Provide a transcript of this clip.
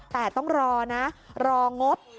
แต่ต้องรองบ